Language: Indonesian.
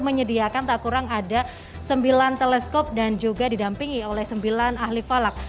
menyediakan tak kurang ada sembilan teleskop dan juga didampingi oleh sembilan ahli falak